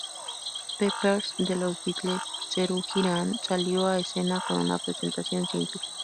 Pepper’s de los Beatles, Serú Girán salió a escena con una presentación simple.